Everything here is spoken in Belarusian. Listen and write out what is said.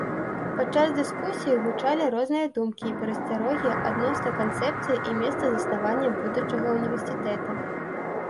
Падчас дыскусіі гучалі розныя думкі і перасцярогі адносна канцэпцыі і месца заснавання будучага ўніверсітэта.